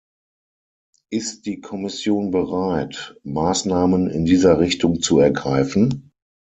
Ist die Kommission bereit, Maßnahmen in dieser Richtung zu ergreifen?